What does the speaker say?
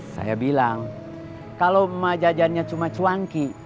saya bilang kalau emak jajannya cuma cuanki